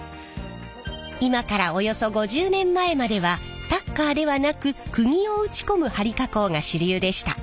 今からおよそ５０年前まではタッカーではなくくぎを打ち込む張り加工が主流でした。